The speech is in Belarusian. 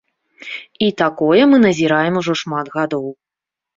І такое мы назіраем ужо шмат гадоў.